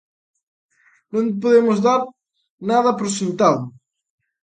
Non podemos dar nada por sentado.